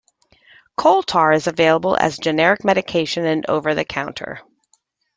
Coal tar is available as a generic medication and over the counter.